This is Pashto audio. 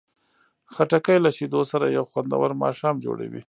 خټکی له شیدو سره یو خوندور ماښام جوړوي.